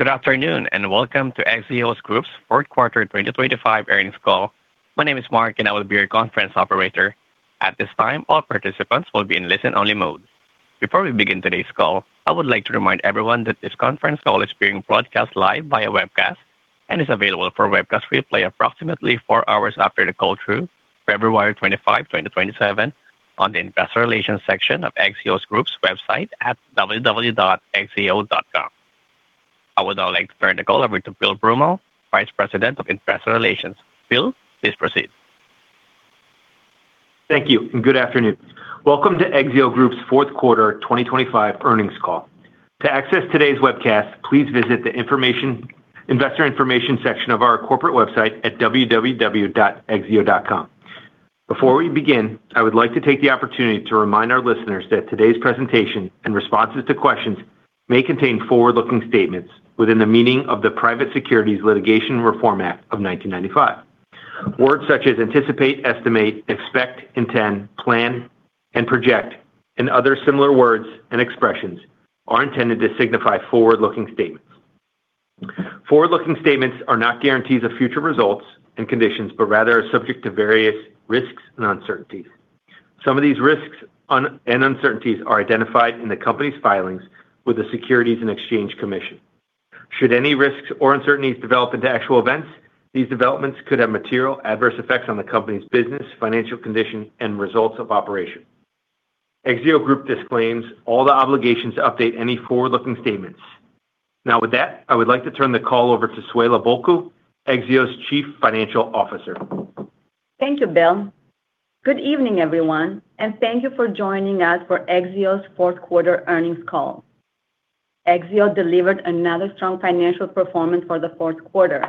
Good afternoon, and welcome to Exzeo Group's fourth quarter 2025 earnings call. My name is Mark, and I will be your conference operator. At this time, all participants will be in listen-only mode. Before we begin today's call, I would like to remind everyone that this conference call is being broadcast live via webcast and is available for webcast replay approximately four hours after the call through February 25, 2027, on the investor relations section of Exzeo Group's website at www.exzeo.com. I would now like to turn the call over to Bill Broomall, Vice President of Investor Relations. Bill, please proceed. Thank you. Good afternoon. Welcome to Exzeo Group's fourth quarter 2025 earnings call. To access today's webcast, please visit the investor information section of our corporate website at www.exzeo.com. Before we begin, I would like to take the opportunity to remind our listeners that today's presentation and responses to questions may contain forward-looking statements within the meaning of the Private Securities Litigation Reform Act of 1995. Words such as anticipate, estimate, expect, intend, plan, and project, and other similar words and expressions are intended to signify forward-looking statements. Forward-looking statements are not guarantees of future results and conditions, rather are subject to various risks and uncertainties. Some of these risks and uncertainties are identified in the company's filings with the Securities and Exchange Commission. Should any risks or uncertainties develop into actual events, these developments could have material adverse effects on the company's business, financial condition, and results of operation. Exzeo Group disclaims all the obligations to update any forward-looking statements. With that, I would like to turn the call over to Suela Bolku, Exzeo's Chief Financial Officer. Thank you, Bill Broomall. Good evening, everyone, and thank you for joining us for Exzeo's fourth quarter earnings call. Exzeo delivered another strong financial performance for the fourth quarter.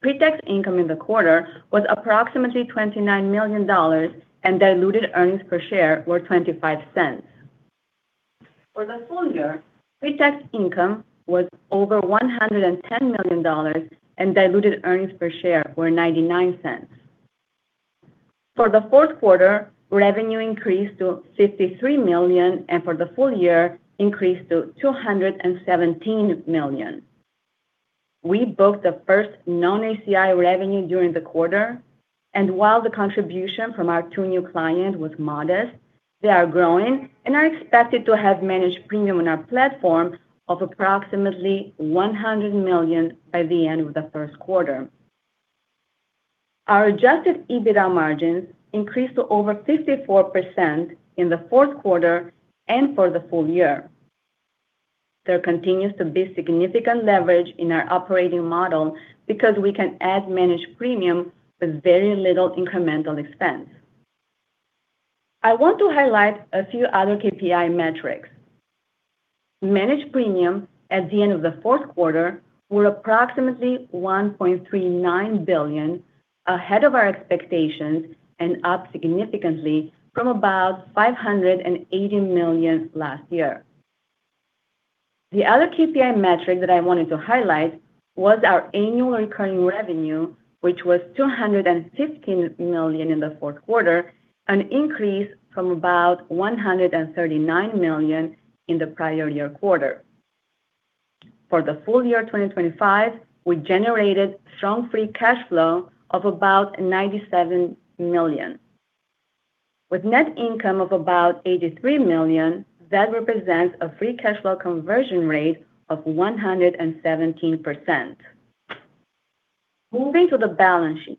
Pre-tax income in the quarter was approximately $29 million, and diluted earnings per share were $0.25. For the full year, pre-tax income was over $110 million, and diluted earnings per share were $0.99. For the fourth quarter, revenue increased to $53 million, and for the full year, increased to $217 million. We booked the first non-HCI revenue during the quarter, and while the contribution from our two new client was modest, they are growing and are expected to have Managed Premium on our Platform of approximately $100 million by the end of the first quarter. Our adjusted EBITDA margins increased to over 54% in the fourth quarter and for the full year. There continues to be significant leverage in our operating model because we can add Managed Premium with very little incremental expense. I want to highlight a few other KPI metrics. Managed Premium at the end of the fourth quarter were approximately $1.39 billion, ahead of our expectations and up significantly from about $580 million last year. The other KPI metric that I wanted to highlight was our annual recurring revenue, which was $215 million in the fourth quarter, an increase from about $139 million in the prior year quarter. For the full year 2025, we generated strong free cash flow of about $97 million. With net income of about $83 million, that represents a free cash flow conversion rate of 117%. Moving to the balance sheet.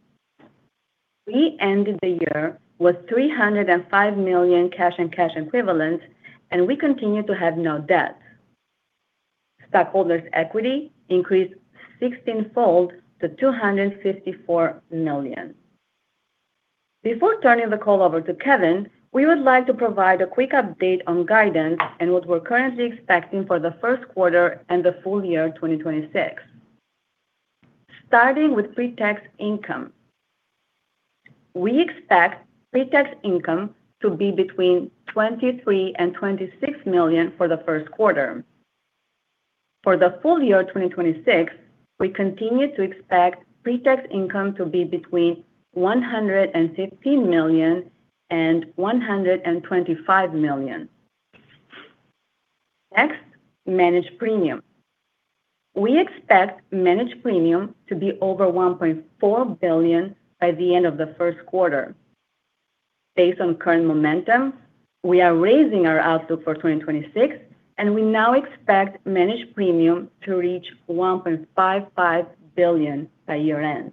We ended the year with $305 million cash and cash equivalents, and we continue to have no debt. Stockholders' equity increased 16-fold to $254 million. Before turning the call over to Kevin, we would like to provide a quick update on guidance and what we're currently expecting for the first quarter and the full year 2026. Starting with pre-tax income. We expect pre-tax income to be between $23 million and $26 million for the first quarter. For the full year 2026, we continue to expect pre-tax income to be between $115 million and $125 million. Next, Managed Premium. We expect Managed Premium to be over $1.4 billion by the end of the first quarter. Based on current momentum, we are raising our outlook for 2026, and we now expect Managed Premium to reach $1.55 billion by year-end.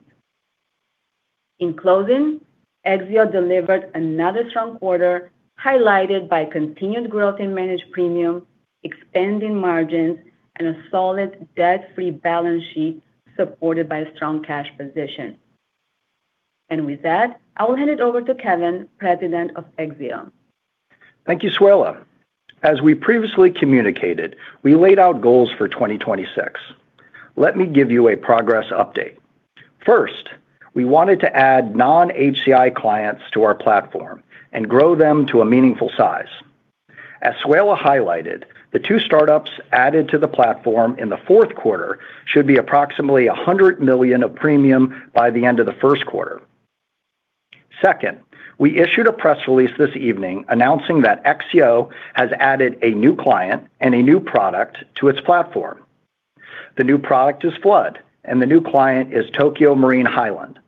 In closing, Exzeo delivered another strong quarter, highlighted by continued growth in Managed Premium, expanding margins, and a solid, debt-free balance sheet supported by a strong cash position. With that, I will hand it over to Kevin, President of Exzeo. Thank you, Suela. As we previously communicated, we laid out goals for 2026. Let me give you a progress update. First, we wanted to add non-HCI clients to our platform and grow them to a meaningful size. As Suela highlighted, the two startups added to the platform in the fourth quarter should be approximately $100 million of premium by the end of the first quarter. Second, we issued a press release this evening announcing that Exzeo has added a new client and a new product to its platform. The new product is water, and the new client is Tokio Marine Highland,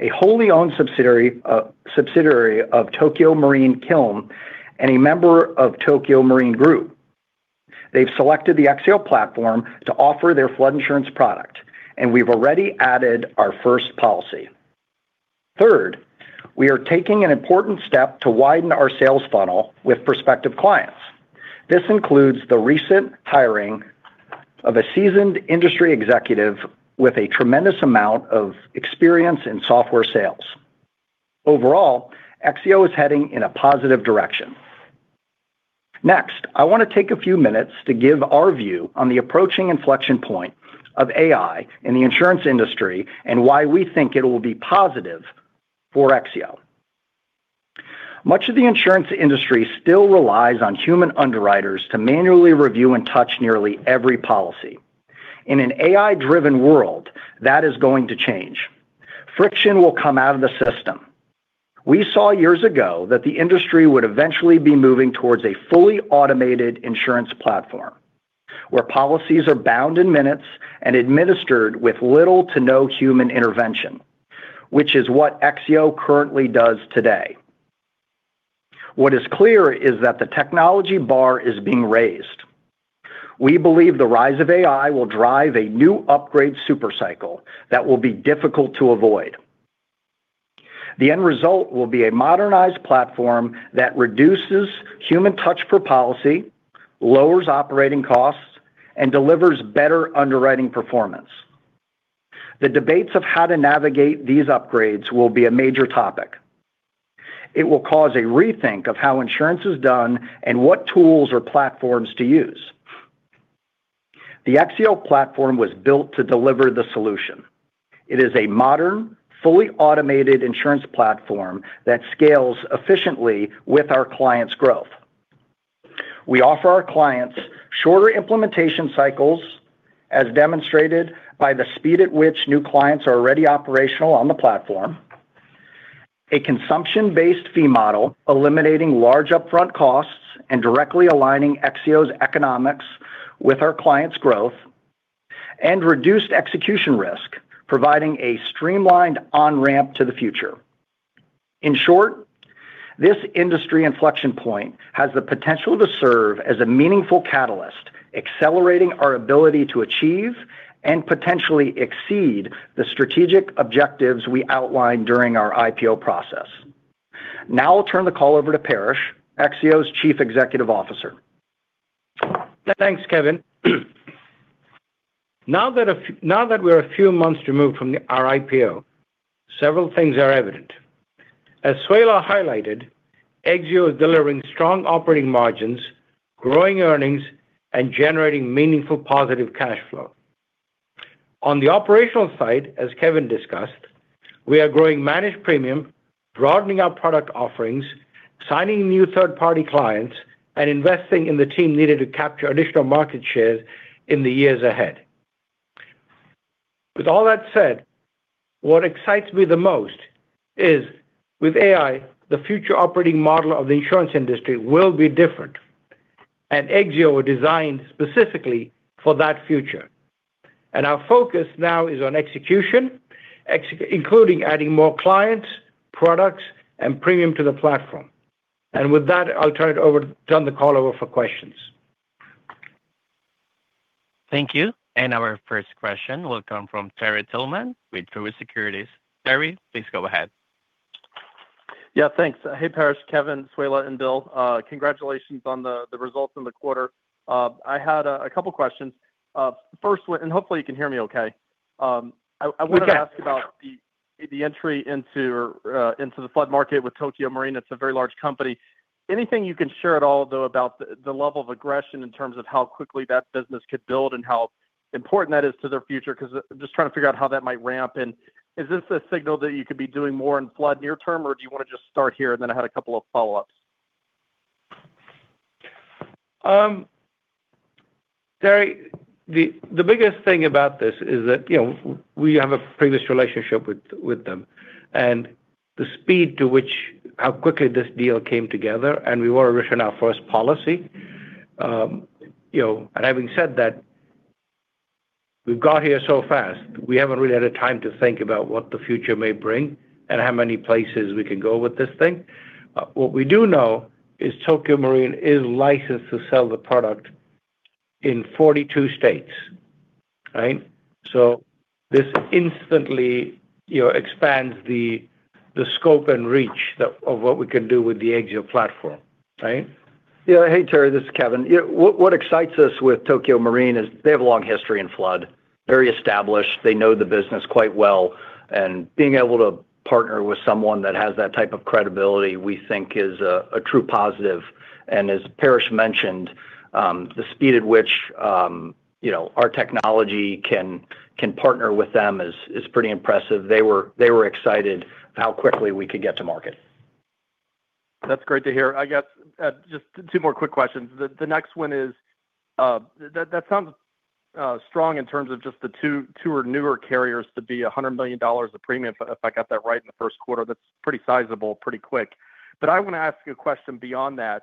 a wholly-owned subsidiary of Tokio Marine Kiln, and a member of Tokio Marine Group. They've selected the Exzeo Platform to offer their flood insurance product, and we've already added our first policy. Third, we are taking an important step to widen our sales funnel with prospective clients. This includes the recent hiring of a seasoned industry executive with a tremendous amount of experience in software sales. Overall, Exzeo is heading in a positive direction. Next, I want to take a few minutes to give our view on the approaching inflection point of AI in the insurance industry, and why we think it will be positive for Exzeo. Much of the insurance industry still relies on human underwriters to manually review and touch nearly every policy. In an AI-driven world, that is going to change. Friction will come out of the system. We saw years ago that the industry would eventually be moving towards a fully automated insurance platform, where policies are bound in minutes and administered with little to no human intervention, which is what Exzeo currently does today. What is clear is that the technology bar is being raised. We believe the rise of AI will drive a new upgrade super cycle that will be difficult to avoid. The end result will be a modernized platform that reduces human touch per policy, lowers operating costs, and delivers better underwriting performance. The debates of how to navigate these upgrades will be a major topic. It will cause a rethink of how insurance is done and what tools or platforms to use. The Exzeo Platform was built to deliver the solution. It is a modern, fully automated insurance platform that scales efficiently with our clients' growth. We offer our clients shorter implementation cycles, as demonstrated by the speed at which new clients are already operational on the platform, a consumption-based fee model, eliminating large upfront costs and directly aligning Exzeo's economics with our clients' growth, and reduced execution risk, providing a streamlined on-ramp to the future. In short, this industry inflection point has the potential to serve as a meaningful catalyst, accelerating our ability to achieve and potentially exceed the strategic objectives we outlined during our IPO process. I'll turn the call over to Paresh, Exzeo's Chief Executive Officer. Thanks, Kevin. Now that we're a few months removed from the our IPO, several things are evident. As Suela highlighted, Exzeo is delivering strong operating margins, growing earnings, and generating meaningful positive cash flow. On the operational side, as Kevin discussed, we are growing Managed Premium, broadening our product offerings, signing new third-party clients, and investing in the team needed to capture additional market shares in the years ahead. With all that said, what excites me the most is with AI, the future operating model of the insurance industry will be different, and Exzeo were designed specifically for that future. Our focus now is on execution, including adding more clients, products, and premium to the platform. With that, I'll turn the call over for questions. Thank you. Our first question will come from Terry Tillman with Truist Securities. Terry, please go ahead. Yeah, thanks. Hey, Paresh, Kevin, Suela, and Bill, congratulations on the results in the quarter. I had a couple questions. First one. Hopefully, you can hear me okay. We can. I wanted to ask about the entry into the flood market with Tokio Marine. It's a very large company. Anything you can share at all, though, about the level of aggression in terms of how quickly that business could build and how important that is to their future? 'Cause I'm just trying to figure out how that might ramp. Is this a signal that you could be doing more in flood near term, or do you wanna just start here? I had a couple of follow-ups. Terry, the biggest thing about this is that, you know, we have a previous relationship with them, and the speed to which how quickly this deal came together, and we were issuing our first policy, you know. Having said that, we've got here so fast, we haven't really had a time to think about what the future may bring and how many places we can go with this thing. What we do know is Tokio Marine is licensed to sell the product in 42 states. Right? This instantly, you know, expands the scope and reach that of what we can do with the Exzeo Platform. Right? Yeah. Hey, Terry, this is Kevin. Yeah, what excites us with Tokio Marine is they have a long history in flood, very established. They know the business quite well, and being able to partner with someone that has that type of credibility, we think is a true positive. As Paresh mentioned, the speed at which, you know, our technology can partner with them is pretty impressive. They were excited how quickly we could get to market. That's great to hear. I guess, just two more quick questions. The next one is, that sounds strong in terms of just the two or newer carriers to be $100 million of premium, if I got that right in the first quarter, that's pretty sizable, pretty quick. I want to ask you a question beyond that,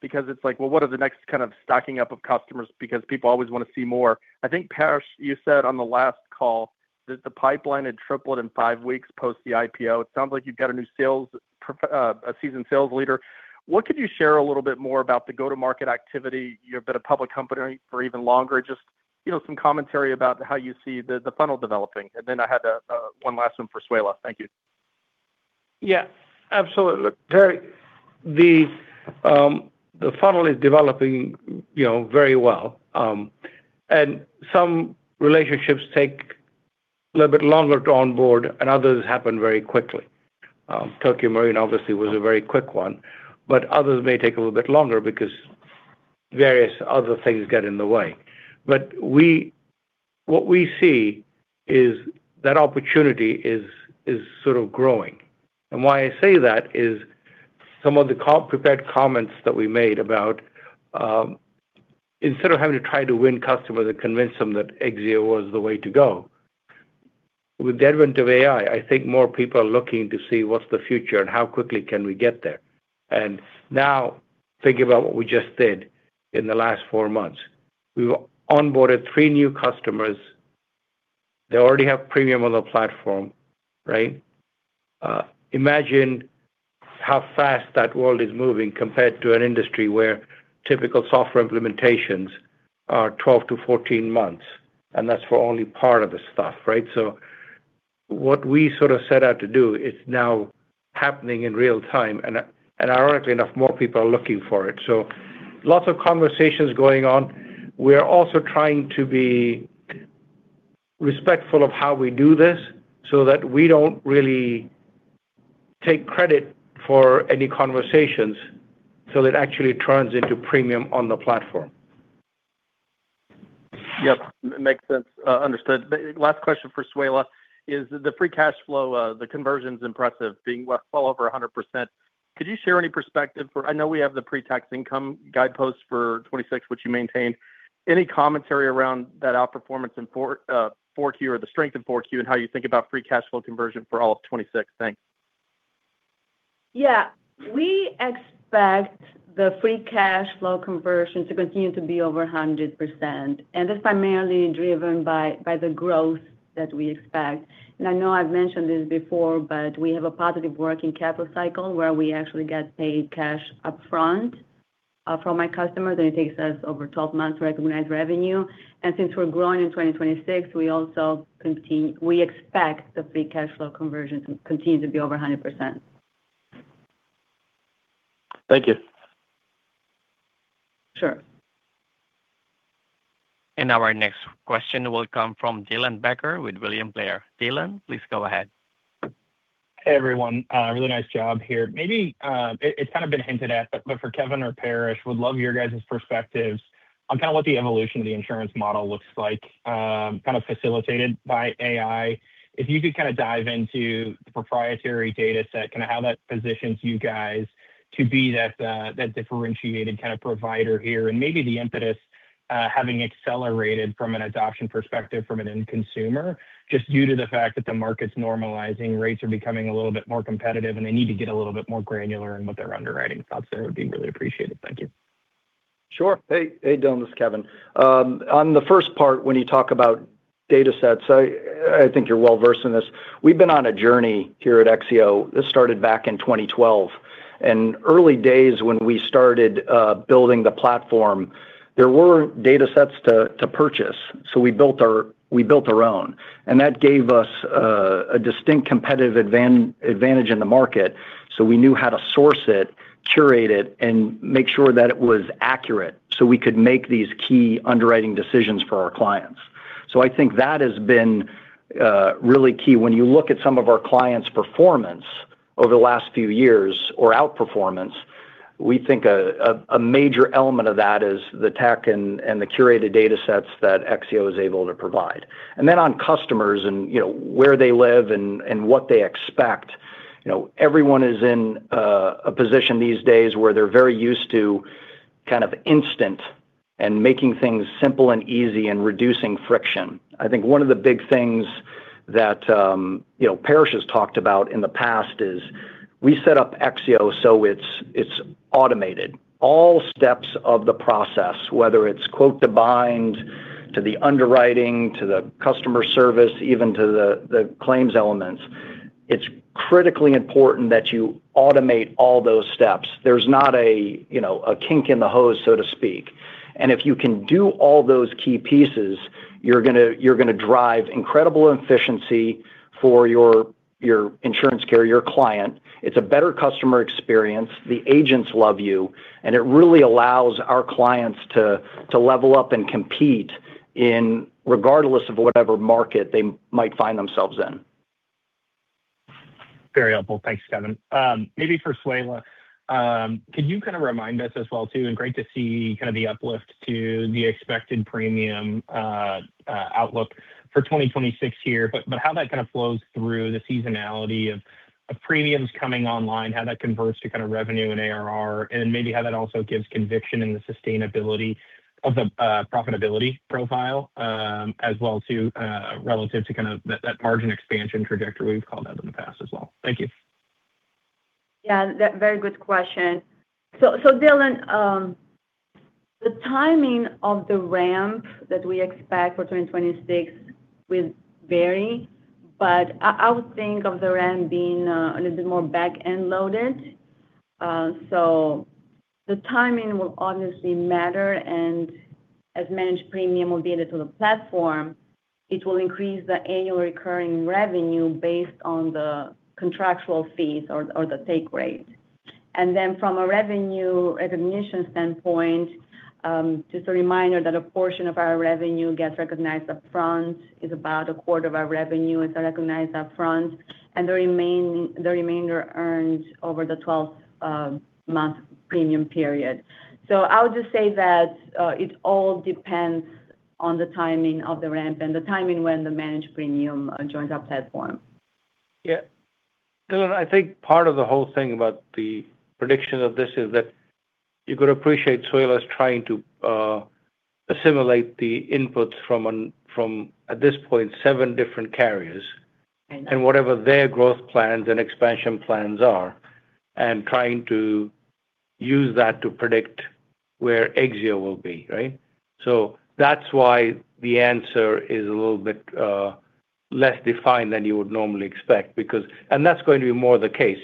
because it's like, well, what are the next kind of stocking up of customers? People always want to see more. I think, Paresh, you said on the last call that the pipeline had tripled in five weeks post the IPO. It sounds like you've got a seasoned sales leader. What could you share a little bit more about the go-to-market activity? You've been a public company for even longer. Just, you know, some commentary about how you see the funnel developing. Then I had a one last one for Suela. Thank you. Yeah, absolutely. Terry, the funnel is developing, you know, very well. Some relationships take a little bit longer to onboard, and others happen very quickly. Tokio Marine obviously was a very quick one, but others may take a little bit longer because various other things get in the way. What we see is that opportunity is sort of growing. Why I say that is some of the prepared comments that we made about, instead of having to try to win customers and convince them that Exzeo was the way to go, with the advent of AI, I think more people are looking to see what's the future and how quickly can we get there. Now, think about what we just did in the last four months. We've onboarded three new customers. They already have premium on the platform, right? Imagine how fast that world is moving compared to an industry where typical software implementations are 12-14 months, and that's for only part of the stuff, right? What we sort of set out to do is now happening in real time, and ironically enough, more people are looking for it. Lots of conversations going on. We are also trying to be respectful of how we do this so that we don't really take credit for any conversations till it actually turns into premium on the platform. Yep, makes sense. Understood. Last question for Suela is the free cash flow, the conversion's impressive, being well over 100%. Could you share any perspective for, I know we have the pre-tax income guideposts for 2026, which you maintained. Any commentary around that outperformance in 4Q or the strength in 4Q and how you think about free cash flow conversion for all of 2026? Thanks. Yeah. We expect the free cash flow conversion to continue to be over 100%, that's primarily driven by the growth that we expect. I know I've mentioned this before, but we have a positive working capital cycle where we actually get paid cash upfront from our customers, and it takes us over 12 months to recognize revenue. Since we're growing in 2026, we also expect the free cash flow conversion to continue to be over 100%. Thank you. Sure. Now our next question will come from Dylan Becker with William Blair. Dylan, please go ahead. Hey, everyone. Really nice job here. Maybe, it's kind of been hinted at, but for Kevin or Paresh, would love your guys' perspectives on kind of what the evolution of the insurance model looks like, kind of facilitated by AI. If you could kind of dive into the proprietary data set, kind of how that positions you guys to be that differentiated kind of provider here, and maybe the impetus, having accelerated from an adoption perspective from an end consumer, just due to the fact that the market's normalizing, rates are becoming a little bit more competitive, and they need to get a little bit more granular in what their underwriting thoughts are, would be really appreciated. Thank you. Sure. Hey, Dylan, this is Kevin. On the first part, when you talk about data sets, I think you're well-versed in this. We've been on a journey here at Exzeo. This started back in 2012. Early days when we started building the platform, there were data sets to purchase. We built our own, and that gave us a distinct competitive advantage in the market. We knew how to source it, curate it, and make sure it was accurate. We could make these key underwriting decisions for our clients. I think that has been really key. When you look at some of our clients' performance over the last few years or outperformance, we think a major element of that is the tech and the curated data sets that Exzeo is able to provide. On customers and, you know, where they live and what they expect, you know, everyone is in a position these days where they're very used to kind of instant and making things simple and easy and reducing friction. I think one of the big things that, you know, Paresh has talked about in the past is we set up Exzeo, so it's automated. All steps of the process, whether it's quote to bind, to the underwriting, to the customer service, even to the claims elements, it's critically important that you automate all those steps. There's not a, you know, a kink in the hose, so to speak. If you can do all those key pieces, you're gonna drive incredible efficiency for your insurance carrier, your client. It's a better customer experience, the agents love you, and it really allows our clients to level up and compete in regardless of whatever market they might find themselves in. Very helpful. Thanks, Kevin. Maybe for Suela. Could you kind of remind us as well, too, and great to see kind of the uplift to the expected premium, outlook for 2026 here. How that kind of flows through the seasonality of premiums coming online, how that converts to kind of revenue and ARR, and maybe how that also gives conviction in the sustainability of the profitability profile, as well to, relative to kind of that margin expansion trajectory we've called out in the past as well. Thank you. Yeah, that very good question. Dylan, the timing of the ramp that we expect for 2026 will vary, but I would think of the ramp being a little bit more back-end loaded. The timing will obviously matter, and as Managed Premium will be added to the platform, it will increase the annual recurring revenue based on the contractual fees or the take rate. From a revenue recognition standpoint, just a reminder that a portion of our revenue gets recognized upfront, is about a quarter of our revenue is recognized upfront, and the remainder earned over the 12 month premium period. I would just say that it all depends on the timing of the ramp and the timing when the Managed Premium joins our platform. Yeah. Dylan, I think part of the whole thing about the prediction of this is that you've got to appreciate Suela is trying to assimilate the inputs from, at this point, seven different carriers. Right. Whatever their growth plans and expansion plans are, and trying to use that to predict where Exzeo will be, right? That's why the answer is a little bit less defined than you would normally expect, because. That's going to be more the case.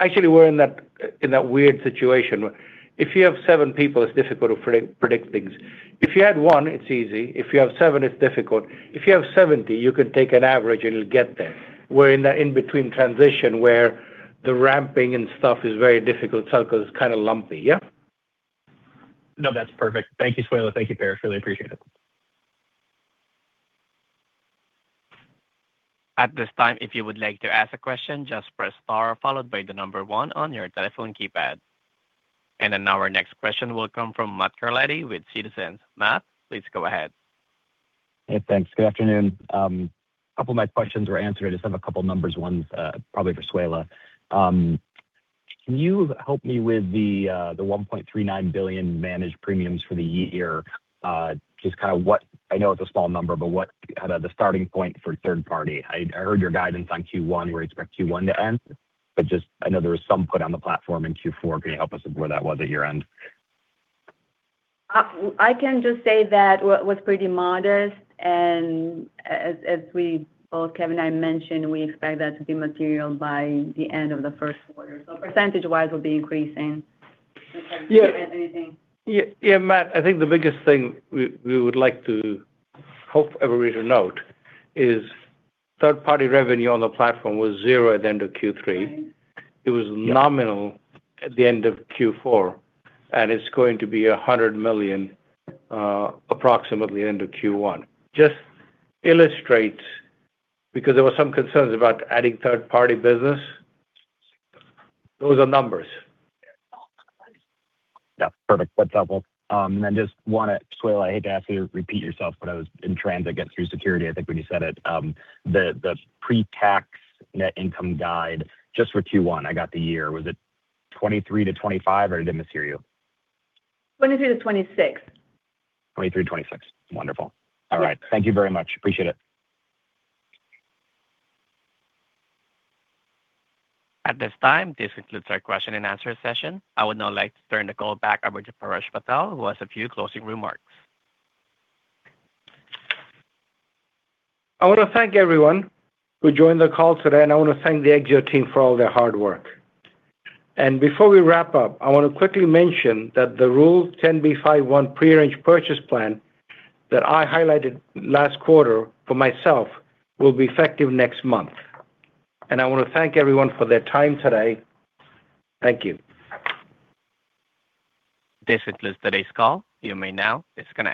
Actually, we're in that, in that weird situation. If you have 7 people, it's difficult to pre-predict things. If you had 1, it's easy. If you have seven, it's difficult. If you have 70, you can take an average and you'll get there. We're in that in-between transition where the ramping and stuff is very difficult, so 'cause it's kind of lumpy. Yeah? No, that's perfect. Thank you, Suela. Thank you, Paresh. Really appreciate it. At this time, if you would like to ask a question, just press star followed by 1 on your telephone keypad. Our next question will come from Matt Carletti with Citizens. Matt, please go ahead. Hey, thanks. Good afternoon. A couple of my questions were answered. I just have a couple of numbers, one's, probably for Suela. Can you help me with the $1.39 billion Managed Premium for the year? Just kind of what I know it's a small number, but what, kind of the starting point for third party? I heard your guidance on Q1, where you expect Q1 to end, just I know there was some put on the platform in Q4. Can you help us with where that was at year-end? I can just say that what was pretty modest, as we both, Kevin and I mentioned, we expect that to be material by the end of the first quarter. Percentage-wise, we'll be increasing. Yeah. Anything? Yeah, Matt, I think the biggest thing we would like to hope everybody to note is third-party revenue on the platform was 0 at the end of Q3. Right. It was nominal at the end of Q4, and it's going to be $100 million, approximately into Q1. Just illustrate, because there were some concerns about adding third-party business. Those are numbers. Perfect. That's helpful. Suela, I hate to ask you to repeat yourself, but I was in transit getting through security. I think when you said it, the pre-tax net income guide just for Q1, I got the year. Was it $23-$25, or I did mishear you? $23-$26. $23-$26. Wonderful. Yeah. All right. Thank you very much. Appreciate it. At this time, this concludes our question-and-answer session. I would now like to turn the call back over to Paresh Patel, who has a few closing remarks. I want to thank everyone who joined the call today, and I want to thank the Exzeo team for all their hard work. Before we wrap up, I want to quickly mention that the Rule 10b5-1 pre-arranged purchase plan that I highlighted last quarter for myself will be effective next month. I want to thank everyone for their time today. Thank you. This concludes today's call. You may now disconnect.